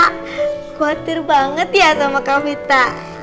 khawatir banget ya sama kak vita